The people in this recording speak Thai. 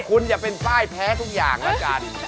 คุณอย่าเป็นป้ายแพ้ทุกอย่างละกัน